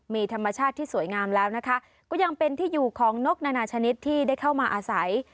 มีธรรมชาติที่สวยงามแล้วนะคะก็ยังเป็นที่อยู่ของนกนานาชนิดที่ได้เข้ามาอาศัย